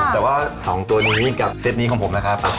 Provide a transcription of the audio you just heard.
แต่ว่า๒ตัวนี้กับเซตนี้ของผมนะครับ